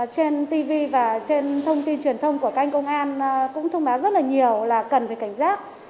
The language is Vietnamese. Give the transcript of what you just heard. trên tv và trên thông tin truyền thông của các anh công an cũng thông báo rất là nhiều là cần phải cảnh giác